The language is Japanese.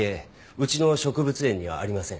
うちの植物園にはありません。